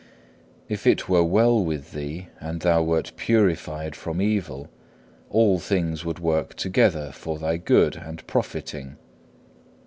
8. If it were well with thee, and thou wert purified from evil, all things would work together for thy good and profiting.